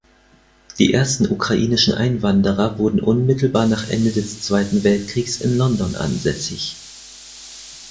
Die ersten ukrainischen Einwanderer wurden unmittelbar nach Ende des Zweiten Weltkriegs in London ansässig.